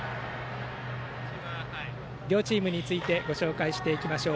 両チームについてご紹介していきましょう。